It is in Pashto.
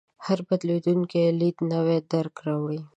هر بدلېدونکی لید نوی درک راوړي.